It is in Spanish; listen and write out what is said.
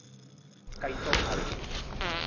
Kaito Abe